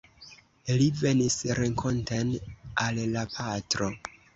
Li venis renkonten al la patro.